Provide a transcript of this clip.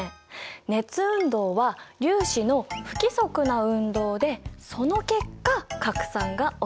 熱運動は粒子の不規則な運動でその結果拡散が起きる。